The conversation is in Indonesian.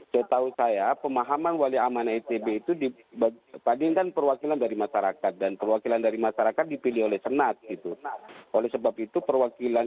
sekolah frekuensi atau perwakilan masyarakat